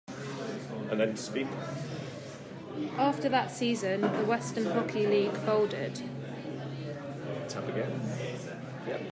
After that season, the Western Hockey League folded.